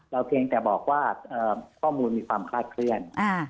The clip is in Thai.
เพียงแต่บอกว่าข้อมูลมีความคลาดเคลื่อน